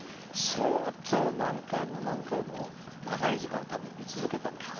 相当何回も何回も長い時間多分見続けたんだと思う。